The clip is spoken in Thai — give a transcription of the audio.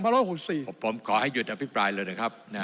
ผมขอให้หยุดอภิปรายเลยนะครับ